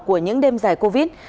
của những đêm dài covid